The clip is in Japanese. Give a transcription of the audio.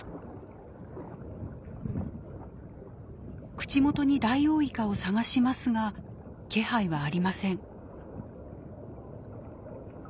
口元にダイオウイカを探しますが気配はありません。